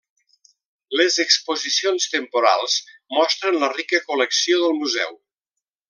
Les exposicions temporals mostren la rica col·lecció del Museu.